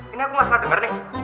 ini aku gak salah dengar nih